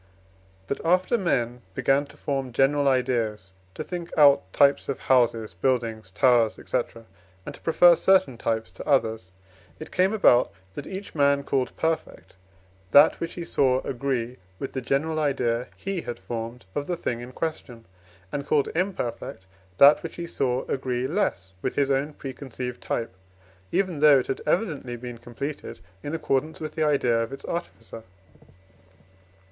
But, after men began to form general ideas, to think out types of houses, buildings, towers, &c., and to prefer certain types to others, it came about, that each man called perfect that which he saw agree with the general idea he had formed of the thing in question, and called imperfect that which he saw agree less with his own preconceived type, even though it had evidently been completed in accordance with the idea of its artificer.